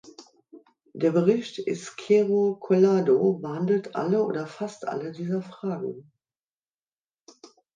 Der Bericht Izquierdo Collado behandelt alle oder fast alle dieser Fragen.